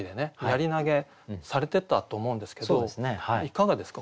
槍投げされてたと思うんですけどいかがですか？